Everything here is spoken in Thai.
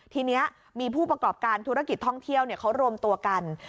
ทีนี้มีผู้ประกอบการธุรกิจท่องเที่ยวเขารวมตัวกัน